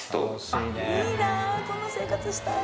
いいなこんな生活したい。